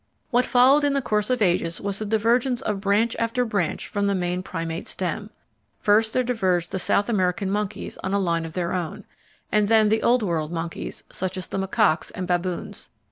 What followed in the course of ages was the divergence of branch after branch from the main Primate stem. First there diverged the South American monkeys on a line of their own, and then the Old World monkeys, such as the macaques and baboons.